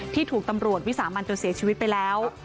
ถูกตำรวจวิสามันจนเสียชีวิตไปแล้ว